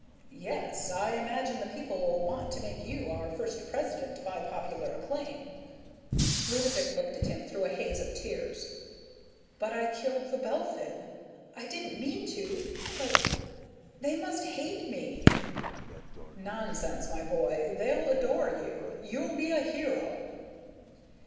"Yes, I imagine the people will want to make you our first President by popular acclaim." Ludovick looked at him through a haze of tears. "But I killed The Belphin. I didn't mean to, but ... they must hate me!" "Nonsense, my boy; they'll adore you. You'll be a hero!"